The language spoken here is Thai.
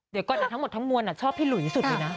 เดี๋ยวก่อนทั้งหมดทั้งมวลน่ะชอบพี่หลุยนี่สุดเลยนะ